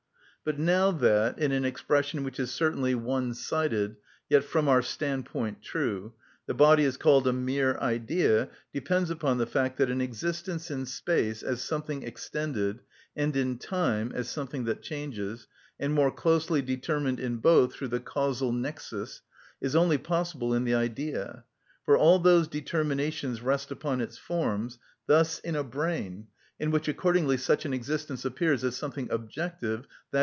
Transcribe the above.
But now that, in an expression which is certainly one‐sided, yet from our standpoint true, the body is called a mere idea depends upon the fact than an existence in space, as something extended, and in time, as something that changes, and more closely determined in both through the causal‐ nexus, is only possible in the idea, for all those determinations rest upon its forms, thus in a brain, in which accordingly such an existence appears as something objective, _i.